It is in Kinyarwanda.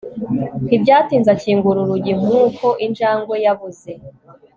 ntibyatinze akingura urugi nkuko injangwe yabuze